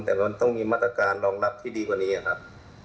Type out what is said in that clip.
แต่มันต้องมีมาตรการรองรับที่ดีกว่านี้ครับ